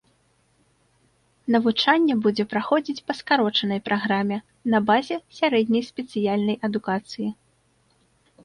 Навучанне будзе праходзіць па скарочанай праграме, на базе сярэдняй спецыяльнай адукацыі.